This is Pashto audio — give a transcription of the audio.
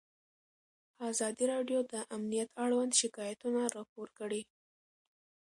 ازادي راډیو د امنیت اړوند شکایتونه راپور کړي.